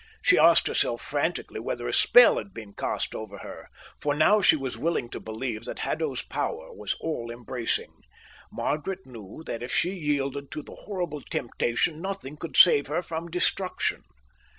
She asked herself frantically whether a spell had been cast over her, for now she was willing to believe that Haddo's power was all embracing. Margaret knew that if she yielded to the horrible temptation nothing could save her from destruction.